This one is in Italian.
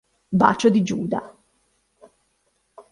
Bacio di Giuda